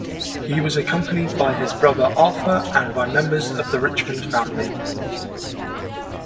He was accompanied by his brother Arthur and by members of the Richmond family.